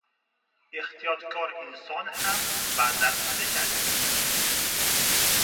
— Ehtiyotkor inson ham ba’zan adashadi.